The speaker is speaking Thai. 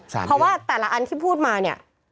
เพราะว่าแต่ละอันที่พูดมาเนี่ย